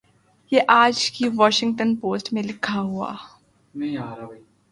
یہ آج کی واشنگٹن پوسٹ میں لکھا ہوا ۔